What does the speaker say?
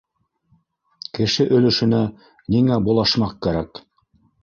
Кеше өлөшөнә ниңә болашмаҡ кәрәк?